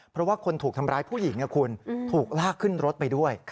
เพราะว่าคนถูกทำร้ายผู้หญิงคุณถูกลากขึ้นรถไปด้วย